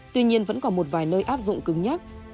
tuy nhiên vẫn còn một vài nơi áp dụng cứng nhắc